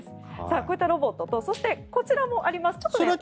こういったロボットとそして、こちらもあります。